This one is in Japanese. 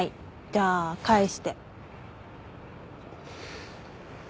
じゃあ返して。